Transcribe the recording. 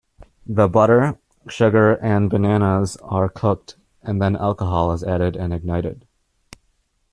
The butter, sugar and bananas are cooked, and then alcohol is added and ignited.